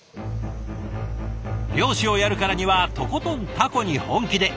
漁師をやるからにはとことんタコに本気で。